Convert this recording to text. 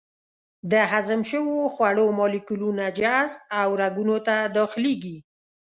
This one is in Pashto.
د هضم شوو خوړو مالیکولونه جذب او رګونو ته داخلېږي.